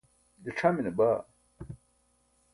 je c̣hamine baa